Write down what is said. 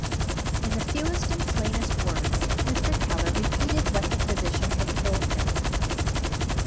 In the fewest and plainest words, Mr. Keller repeated what the physician had told him.